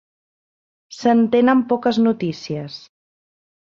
Se'n tenen poques notícies.